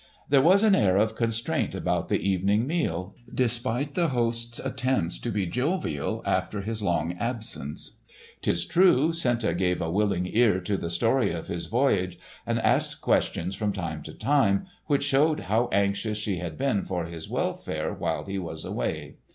There was an air of constraint about the evening meal, despite the host's attempts to be jovial after his long absence. 'Tis true Senta gave a willing ear to the story of his voyage, and asked questions from time to time which showed how anxious she had been for his welfare while he was away.